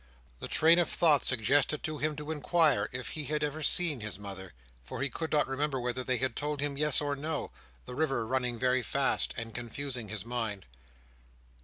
The train of thought suggested to him to inquire if he had ever seen his mother? for he could not remember whether they had told him, yes or no, the river running very fast, and confusing his mind.